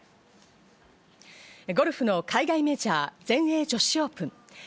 ゴルフの海外メジャー全英女子オープン。